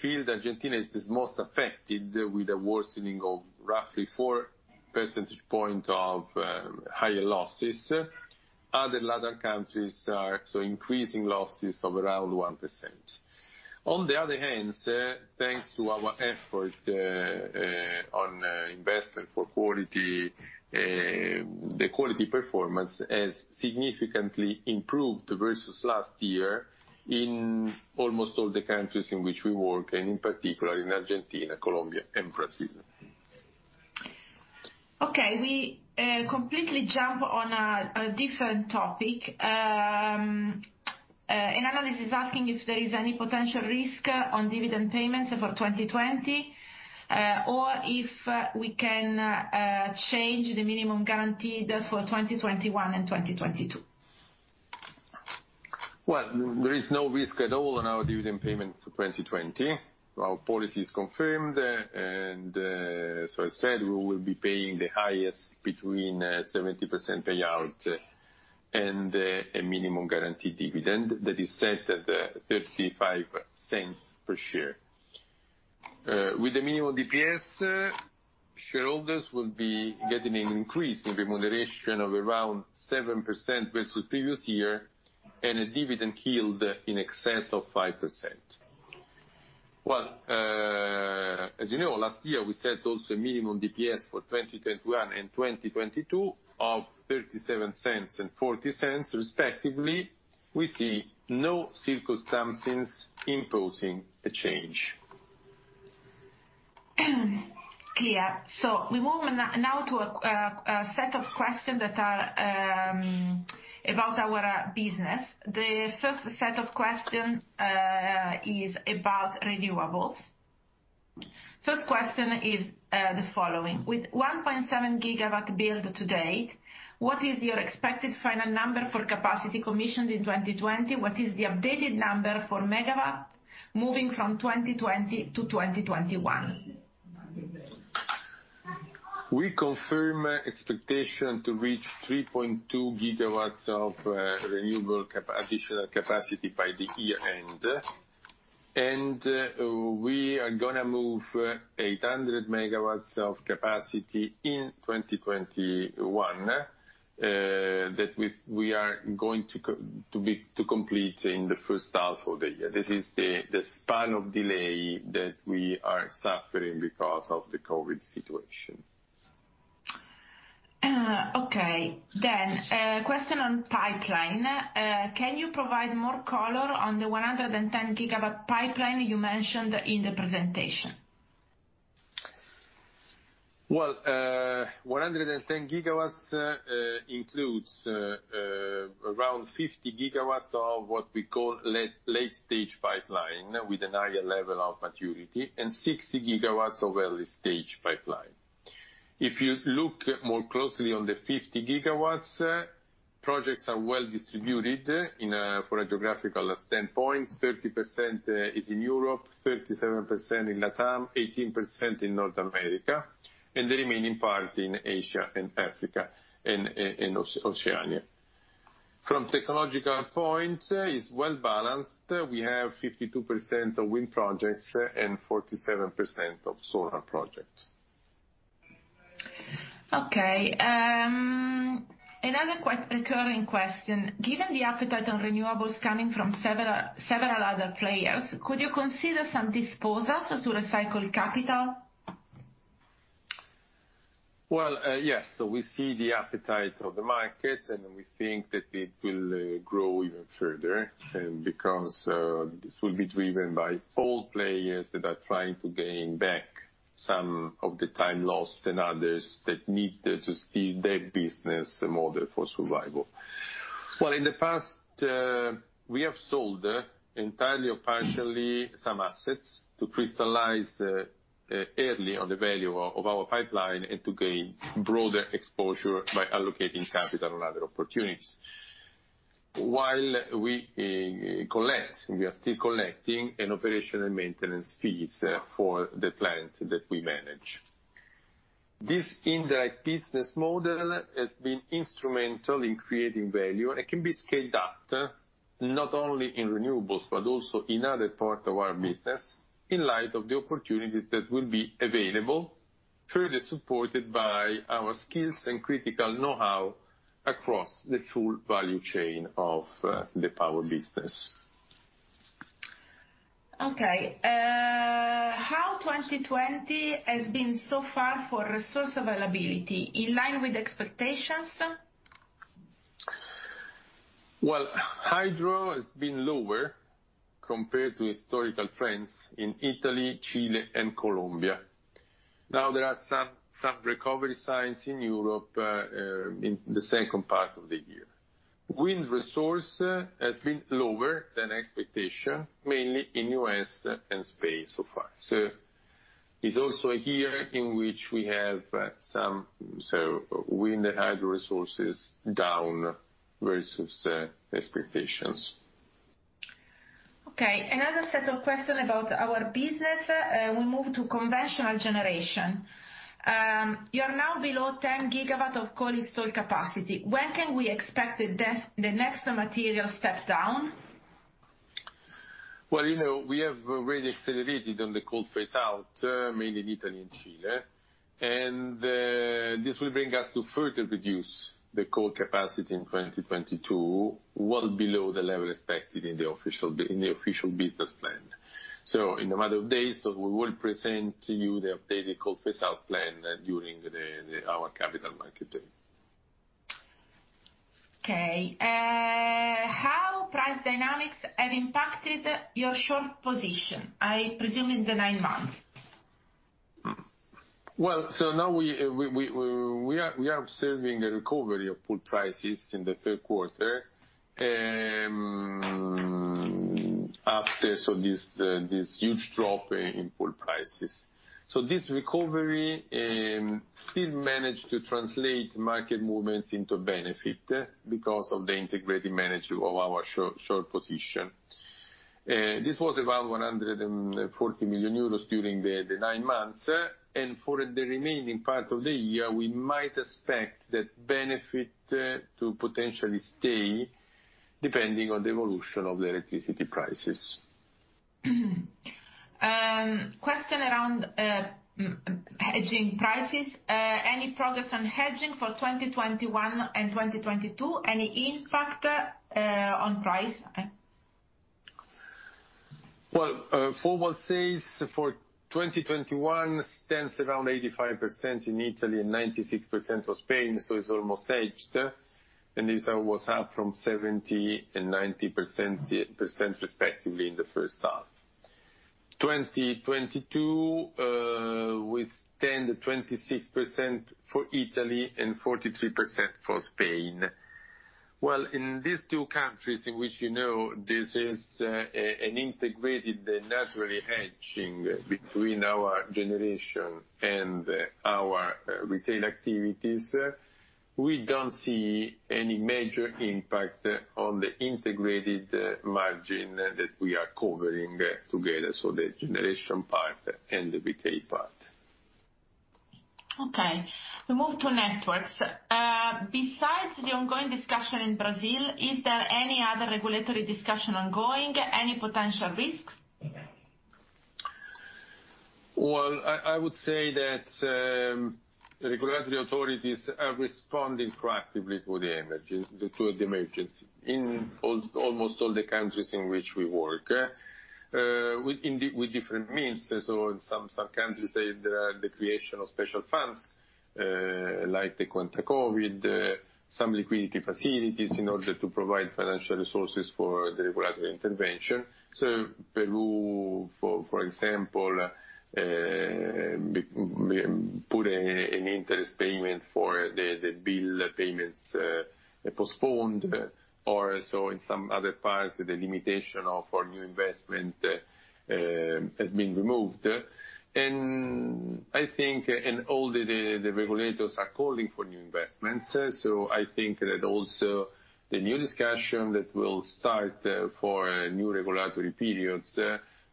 field, Argentina is the most affected with a worsening of roughly 4 percentage points of higher losses. Other LatAm countries are increasing losses of around 1%. On the other hand, thanks to our effort on investment for quality, the quality performance has significantly improved versus last year in almost all the countries in which we work, and in particular in Argentina, Colombia, and Brazil. Okay. We completely jump on a different topic. An analyst is asking if there is any potential risk on dividend payments for 2020 or if we can change the minimum guaranteed for 2021 and 2022. There is no risk at all on our dividend payment for 2020. Our policy is confirmed, and as said, we will be paying the highest between 70% payout and a minimum guaranteed dividend that is set at 0.35 per share. With the minimum DPS, shareholders will be getting an increase in remuneration of around 7% versus previous year and a dividend yield in excess of 5%. As you know, last year we set also a minimum DPS for 2021 and 2022 of 0.37 and 0.40 respectively. We see no circumstances imposing a change. Clear. We move now to a set of questions that are about our business. The first set of questions is about renewables. First question is the following. With 1.7 GW build to date, what is your expected final number for capacity commissioned in 2020? What is the updated number for megawatt moving from 2020 to 2021? We confirm expectation to reach 3.2 GW of renewable additional capacity by the year end. We are going to move 800 MW of capacity in 2021 that we are going to complete in the first half of the year. This is the span of delay that we are suffering because of the COVID situation. Okay. Question on pipeline. Can you provide more color on the 110 GW pipeline you mentioned in the presentation? 110 GW includes around 50 GW of what we call late-stage pipeline with a higher level of maturity and 60 GW of early-stage pipeline. If you look more closely on the 50 GW, projects are well distributed from a geographical standpoint. 30% is in Europe, 37% in LatAm, 18% in North America, and the remaining part in Asia and Africa and Oceania. From a technological point, it is well balanced. We have 52% of wind projects and 47% of solar projects. Okay. Another recurring question. Given the appetite on renewables coming from several other players, could you consider some disposals to recycle capital? Yes. We see the appetite of the market, and we think that it will grow even further because this will be driven by old players that are trying to gain back some of the time lost and others that need to steer their business model for survival. In the past, we have sold entirely or partially some assets to crystallize early on the value of our pipeline and to gain broader exposure by allocating capital on other opportunities. While we collect, we are still collecting an operational maintenance fees for the plant that we manage. This indirect business model has been instrumental in creating value and can be scaled up not only in renewables but also in other parts of our business in light of the opportunities that will be available further supported by our skills and critical know-how across the full value chain of the power business. Okay. How 2020 has been so far for resource availability in line with expectations? Hydro has been lower compared to historical trends in Italy, Chile, and Colombia. Now there are some recovery signs in Europe in the second part of the year. Wind resource has been lower than expectation, mainly in the U.S. and Spain so far. It is also a year in which we have some wind and hydro resources down versus expectations. Okay. Another set of questions about our business. We move to conventional generation. You are now below 10 GW of coal installed capacity. When can we expect the next material step down? We have already accelerated on the coal phase-out mainly in Italy and Chile. This will bring us to further reduce the coal capacity in 2022 well below the level expected in the official business plan. In a matter of days, we will present to you the updated coal phase-out plan during our capital market day. Okay. How price dynamics have impacted your short position, I presume in the nine months? Now we are observing a recovery of pool prices in the third quarter after this huge drop in pool prices. This recovery still managed to translate market movements into benefit because of the integrated management of our short position. This was about 140 million euros during the nine months. For the remaining part of the year, we might expect that benefit to potentially stay depending on the evolution of the electricity prices. Question around hedging prices. Any progress on hedging for 2021 and 2022? Any impact on price? Forward says for 2021 stands around 85% in Italy and 96% for Spain, so it's almost hedged. These are up from 70% and 90% respectively in the first half. 2022 with 10%-26% for Italy and 43% for Spain. In these two countries in which this is an integrated naturally hedging between our generation and our retail activities, we do not see any major impact on the integrated margin that we are covering together, so the generation part and the retail part. Okay. We move to networks. Besides the ongoing discussion in Brazil, is there any other regulatory discussion ongoing? Any potential risks? I would say that regulatory authorities are responding proactively to the emergency in almost all the countries in which we work with different means. In some countries, there are the creation of special funds like the Quinta COVID, some liquidity facilities in order to provide financial resources for the regulatory intervention. Peru, for example, put an interest payment for the bill payments postponed. In some other parts, the limitation of our new investment has been removed. I think all the regulators are calling for new investments. I think that also the new discussion that will start for new regulatory periods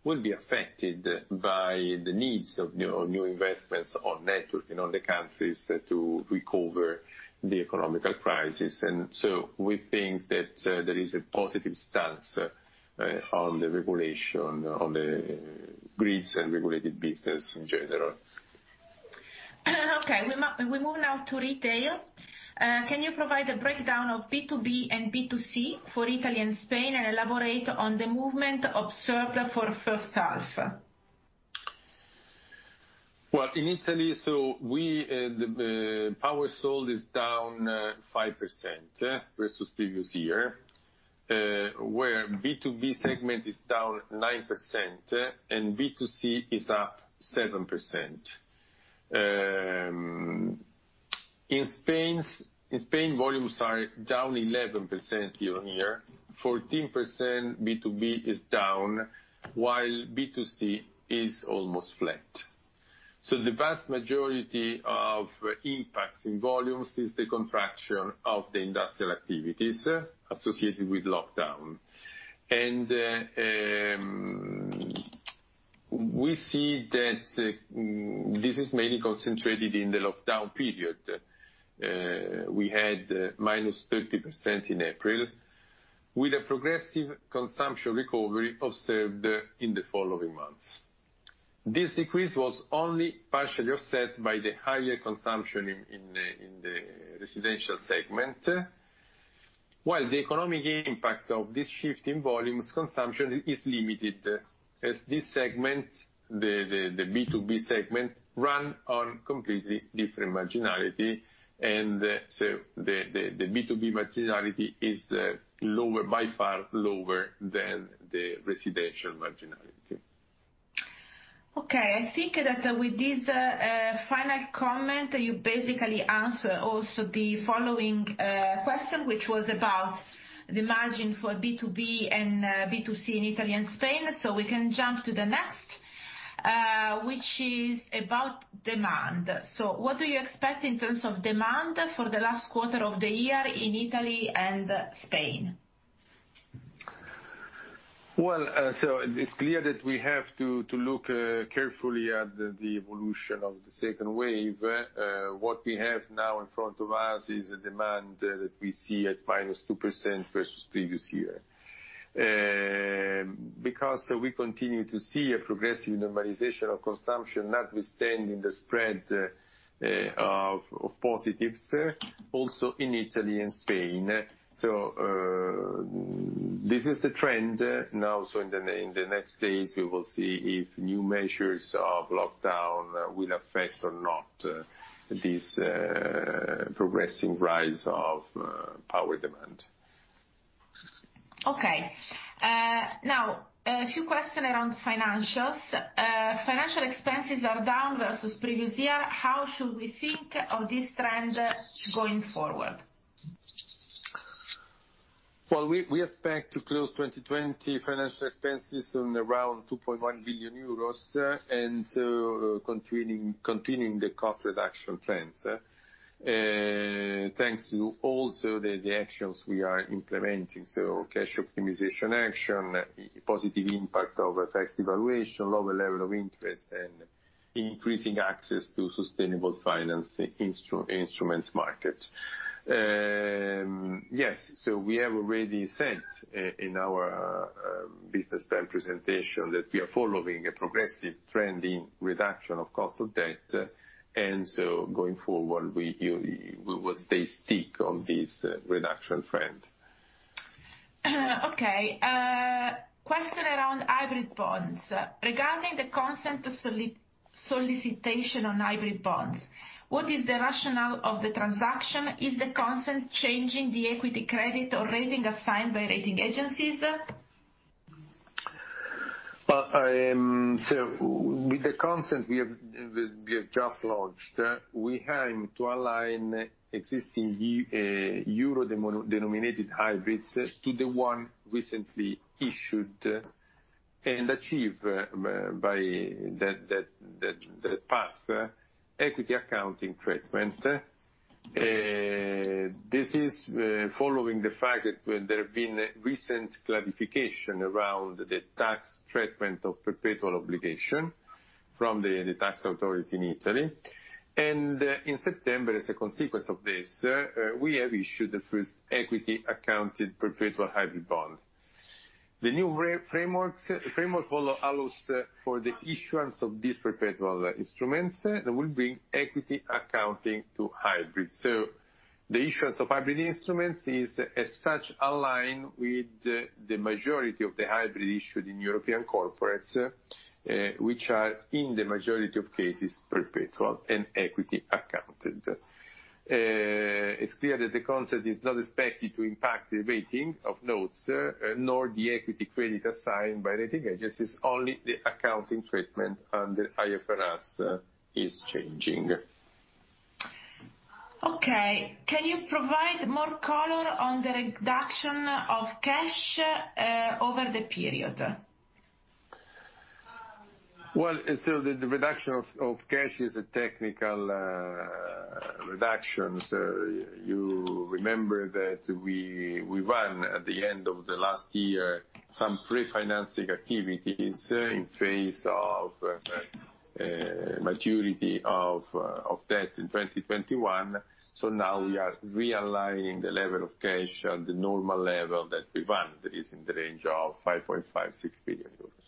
will be affected by the needs of new investments on networking on the countries to recover the economical crisis. We think that there is a positive stance on the regulation on the grids and regulated business in general. Okay. We move now to retail. Can you provide a breakdown of B2B and B2C for Italy and Spain and elaborate on the movement observed for first half? In Italy, the power sold is down 5% versus previous year, where B2B segment is down 9% and B2C is up 7%. In Spain, volumes are down 11% year-on-year. 14% B2B is down, while B2C is almost flat. The vast majority of impacts in volumes is the contraction of the industrial activities associated with lockdown. We see that this is mainly concentrated in the lockdown period. We had -30% in April with a progressive consumption recovery observed in the following months. This decrease was only partially offset by the higher consumption in the residential segment. While the economic impact of this shift in volumes consumption is limited, as this segment, the B2B segment, runs on completely different marginality. The B2B marginality is by far lower than the residential marginality. Okay. I think that with this final comment, you basically answer also the following question, which was about the margin for B2B and B2C in Italy and Spain. We can jump to the next, which is about demand. What do you expect in terms of demand for the last quarter of the year in Italy and Spain? It is clear that we have to look carefully at the evolution of the second wave. What we have now in front of us is a demand that we see at -2% versus previous year. We continue to see a progressive normalization of consumption notwithstanding the spread of positives also in Italy and Spain. This is the trend. In the next days, we will see if new measures of lockdown will affect or not this progressing rise of power demand. Okay. A few questions around financials. Financial expenses are down versus previous year. How should we think of this trend going forward? We expect to close 2020 financial expenses on around 2.1 billion euros and continuing the cost reduction trends thanks to also the actions we are implementing. Cash optimization action, positive impact of effective evaluation, lower level of interest, and increasing access to sustainable finance instruments market. Yes. We have already said in our business plan presentation that we are following a progressive trend in reduction of cost of debt. Going forward, we will stay stick on this reduction trend. Okay. Question around hybrid bonds. Regarding the consent solicitation on hybrid bonds, what is the rationale of the transaction? Is the consent changing the equity credit or rating assigned by rating agencies? With the consent we have just launched, we aim to align existing euro denominated hybrids to the one recently issued and achieve by that path equity accounting treatment. This is following the fact that there have been recent clarification around the tax treatment of perpetual obligation from the tax authority in Italy. In September, as a consequence of this, we have issued the first equity accounted perpetual hybrid bond. The new framework allows for the issuance of these perpetual instruments that will bring equity accounting to hybrid. The issuance of hybrid instruments is, as such, aligned with the majority of the hybrid issued in European corporates, which are in the majority of cases perpetual and equity accounted. It's clear that the concept is not expected to impact the rating of notes, nor the equity credit assigned by rating agencies. Only the accounting treatment under IFRS is changing. Okay. Can you provide more color on the reduction of cash over the period? The reduction of cash is a technical reduction. You remember that we ran at the end of the last year some pre-financing activities in phase of maturity of debt in 2021. Now we are realigning the level of cash at the normal level that we run, that is in the range of 5.56 billion euros.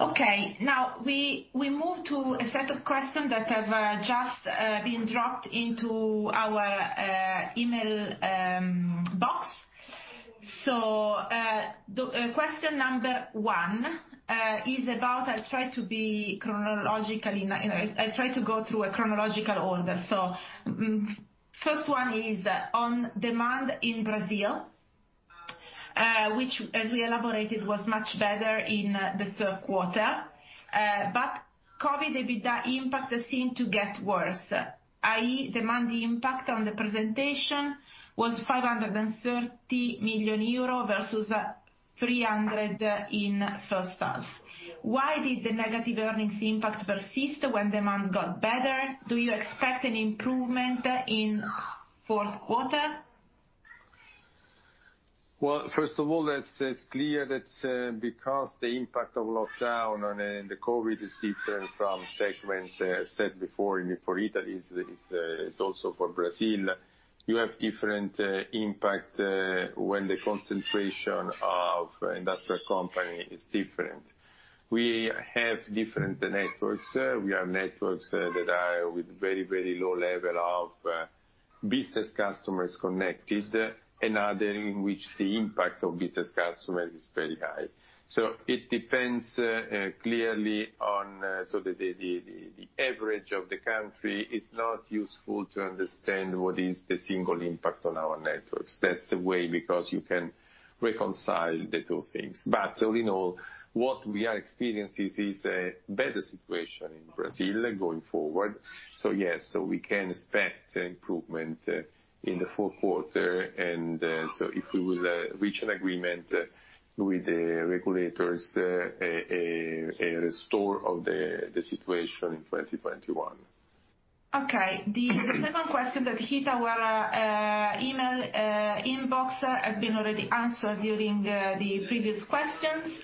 Okay. Now, we move to a set of questions that have just been dropped into our email box. Question number one is about, I'll try to be chronological, I'll try to go through a chronological order. First one is on demand in Brazil, which, as we elaborated, was much better in the third quarter. COVID, EBITDA impact seemed to get worse. I.e., demand impact on the presentation was 530 million euro versus 300 million in first half. Why did the negative earnings impact persist when demand got better? Do you expect an improvement in fourth quarter? First of all, it's clear that because the impact of lockdown and the COVID is different from segment said before for Italy, it's also for Brazil. You have different impact when the concentration of industrial company is different. We have different networks. We have networks that are with very, very low level of business customers connected and other in which the impact of business customers is very high. It depends clearly on, so the average of the country is not useful to understand what is the single impact on our networks. That's the way because you can reconcile the two things. All in all, what we are experiencing is a better situation in Brazil going forward. Yes, we can expect improvement in the fourth quarter. If we will reach an agreement with the regulators, a restore of the situation in 2021. The second question that hit our email inbox has been already answered during the previous questions.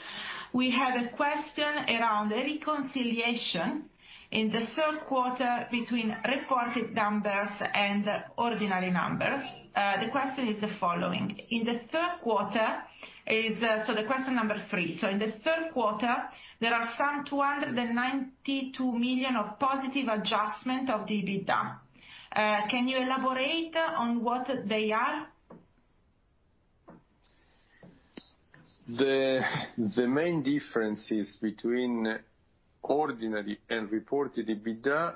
We have a question around reconciliation in the third quarter between reported numbers and ordinary numbers. The question is the following. In the third quarter, so the question number three. In the third quarter, there are some 292 million of positive adjustment of EBITDA. Can you elaborate on what they are? The main differences between ordinary and reported EBITDA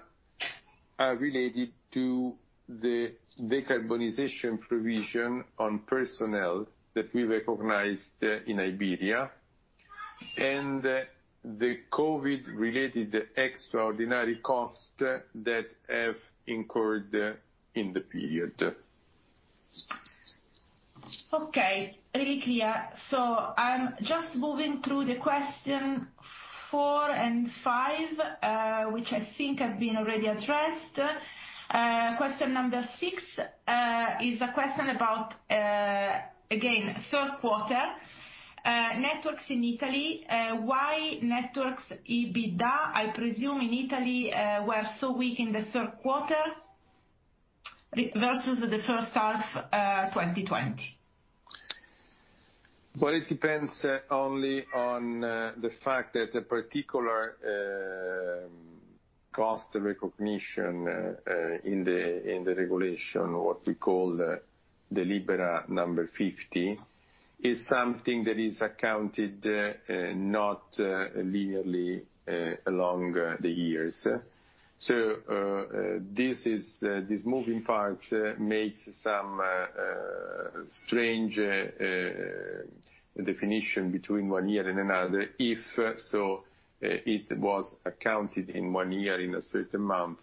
are related to the decarbonization provision on personnel that we recognized in Iberia and the COVID-related extraordinary costs that have incurred in the period. Okay. Really clear. I am just moving through the question four and five, which I think have been already addressed. Question number six is a question about, again, third quarter. Networks in Italy, why networks EBITDA, I presume in Italy, were so weak in the third quarter versus the first half 2020? It depends only on the fact that the particular cost recognition in the regulation, what we call the Libera number 50, is something that is accounted not linearly along the years. This moving part makes some strange definition between one year and another if it was accounted in one year in a certain month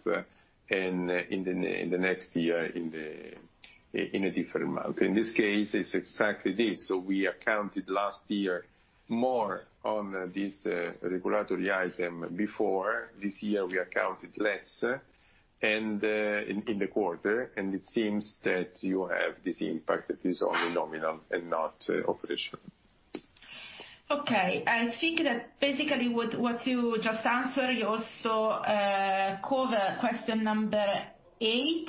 and in the next year in a different month. In this case, it is exactly this. We accounted last year more on this regulatory item before this year. We accounted less in the quarter. It seems that you have this impact that is only nominal and not operational. Okay. I think that basically what you just answered, you also covered question number eight,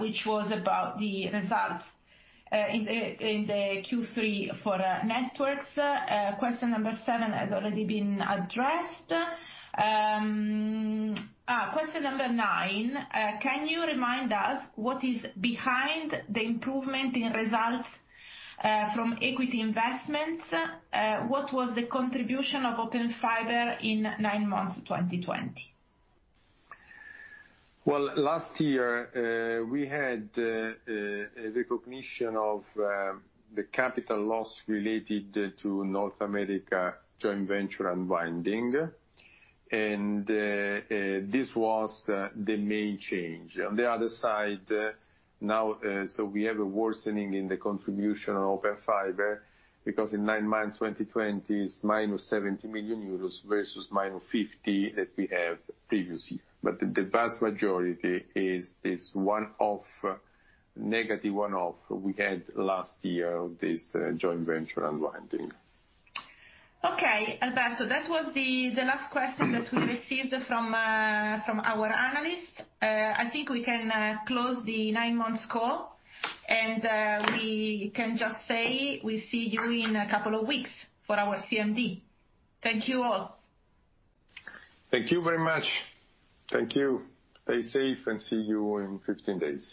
which was about the results in the Q3 for networks. Question number seven has already been addressed. Question number nine, can you remind us what is behind the improvement in results from equity investments? What was the contribution of Open Fiber in nine months 2020? Last year, we had a recognition of the capital loss related to North America joint venture unbinding. This was the main change. On the other side, now, we have a worsening in the contribution of Open Fiber because in nine months 2020, it is -70 million euros versus -50 million that we had previous year. The vast majority is one-off, negative one-off we had last year of this joint venture unbinding. Okay. Alberto, that was the last question that we received from our analysts. I think we can close the nine-month call. We can just say we see you in a couple of weeks for our CMD. Thank you all. Thank you very much. Thank you. Stay safe and see you in 15 days.